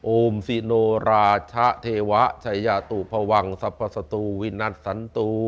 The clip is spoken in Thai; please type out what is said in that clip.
โอมสิโนราชเทวะชัยตุภวังสภสตุวินัทสันตุ